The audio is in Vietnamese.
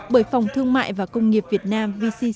bởi phòng thương mại và công nghiệp việt nam